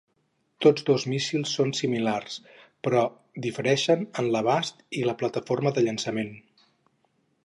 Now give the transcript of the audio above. Tots dos míssils són similars, però difereixen en l'abast i la plataforma de llançament.